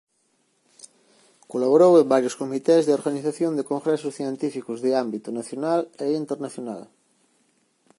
Colaborou en varios comités de organización de congresos científicos de ámbito nacional e internacional.